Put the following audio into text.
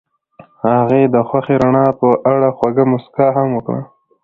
هغې د خوښ رڼا په اړه خوږه موسکا هم وکړه.